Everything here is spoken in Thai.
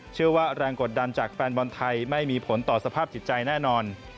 เชื่อว่าแรงกดดันจากแฟนบอลไทยไม่มีผลต่อสภาพจิตใจแน่นอน